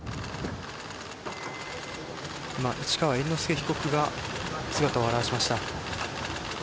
今、市川猿之助被告が姿を現しました。